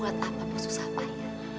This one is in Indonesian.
buat apa susah payah